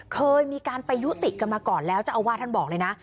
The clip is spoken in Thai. เคยมีการไปยุติกันมาก่อนแล้วเจ้าอาวาสท่านบอกเลยนะ